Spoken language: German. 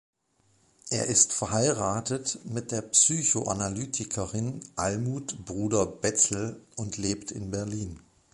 Er ist verheiratet mit der Psychoanalytikerin Almuth Bruder-Bezzel und lebt in Berlin.